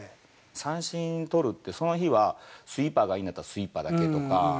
三振取るって、その日はスイーパーがいいんだったらスイーパーだけとか。